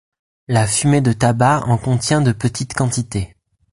La fumée de tabac en contient de petites quantités.